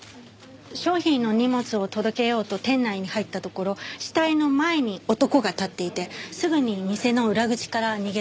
商品の荷物を届けようと店内に入ったところ死体の前に男が立っていてすぐに店の裏口から逃げ出したそうです。